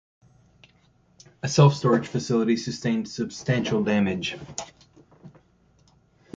A self-storage facility sustained substantial damage.